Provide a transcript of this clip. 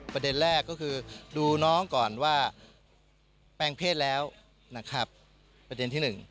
ประเด็นแรกก็คือดูน้องก่อนว่าแปลงเพศแล้วประเด็นที่หนึ่ง